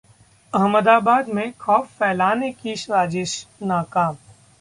अहमदाबाद में खौफ फैलाने की साजिश नाकाम